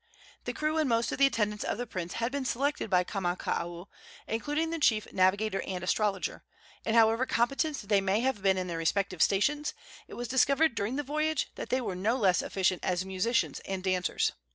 The crew and most of the attendants of the prince had been selected by Kamakaua, including the chief navigator and astrologer; and however competent they may have been in their respective stations, it was discovered during the voyage that they were no less efficient as musicians and dancers.